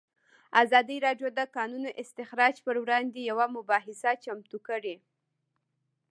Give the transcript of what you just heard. ازادي راډیو د د کانونو استخراج پر وړاندې یوه مباحثه چمتو کړې.